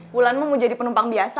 bulanmu mau jadi penumpang biasa